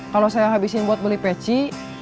kalau saya habisin buat beli peci